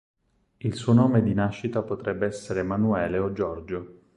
Il suo nome di nascita potrebbe essere Manuele o Giorgio.